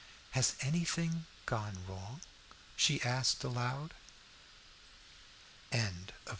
"Has anything gone wrong?" she asked aloud. CHAPTER VII.